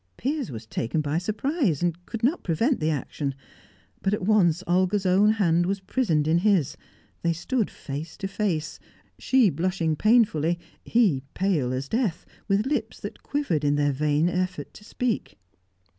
Piers was taken by surprise, and could not prevent the action; but at once Olga's own hand was prisoned in his; they stood face to face, she blushing painfully, he pale as death, with lips that quivered in their vain effort to speak.